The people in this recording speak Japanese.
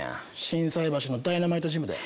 心斎橋のダイナマイトジムで。